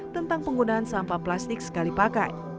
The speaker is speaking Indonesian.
tentang penggunaan sampah plastik sekali pakai